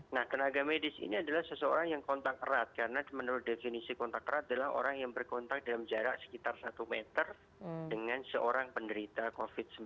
nah tenaga medis ini adalah seseorang yang kontak erat karena menurut definisi kontak erat adalah orang yang berkontak dalam jarak sekitar satu meter dengan seorang penderita covid sembilan belas